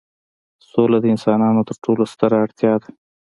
سوله د انسانانو تر ټولو ستره اړتیا ده.